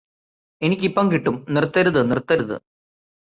എനിക്കിപ്പം കിട്ടും നിര്ത്തരുത് നിര്ത്തരുത്